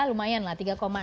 lumayan lah tiga enam puluh